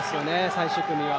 最終組は。